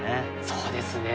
そうですね。